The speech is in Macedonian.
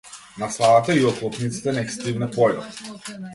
На славата, и оклопниците, нек стивне појот.